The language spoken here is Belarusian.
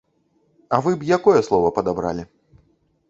А вы б якое слова падабралі?